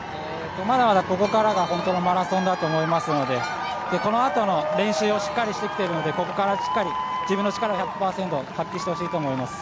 まだまだここからが本当のマラソンだと思いますのでこのあとの練習をしっかりしてきているのでここからしっかり自分の力を１００％発揮してほしいと思います。